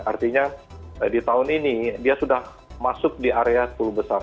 artinya di tahun ini dia sudah masuk di area sepuluh besar